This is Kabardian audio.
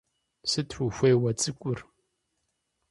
Сыт ухуей уэ цӀыкӀур?